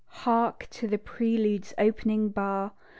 Hark to the prelude's opening bar!